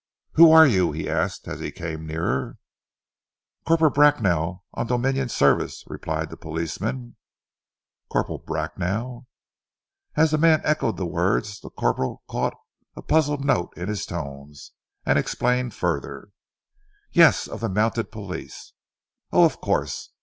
"Who are you?" he asked, as he came nearer. "Corporal Bracknell on Dominion service," replied the policeman. "Corporal Bracknell?" As the man echoed the words the corporal caught a puzzled note in his tones, and explained further. "Yes, of the Mounted Police." "Oh, of course!